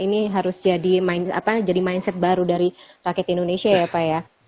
ini harus jadi mindset baru dari rakyat indonesia ya pak ya